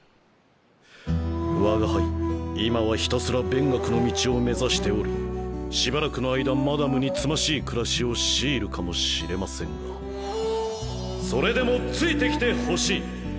「わが輩今はひたすら勉学の道を目指しておりしばらくの間マダムにつましい暮らしを強いるかもしれませんがそれでもついて来てほしい。